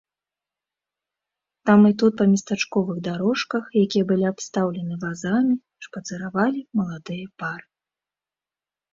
Там і тут па местачковых дарожках, якія былі абстаўлены вазамі, шпацыравалі маладыя пары.